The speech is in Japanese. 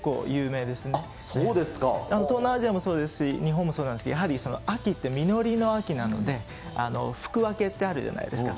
東南アジアもそうですし、日本もそうなんですけど、やはり秋って実りの秋なので、福分けってあるじゃないですか。